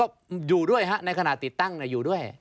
ก็อยู่ด้วยฮะในขณะติดตั้งอยู่ด้วย